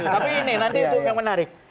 tapi ini nanti itu yang menarik